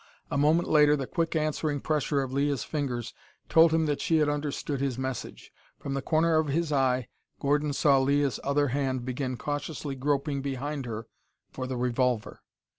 A moment later the quick answering pressure of Leah's fingers told him that she had understood his message. From the corner of his eye Gordon saw Leah's other hand begin cautiously groping behind her for the revolver.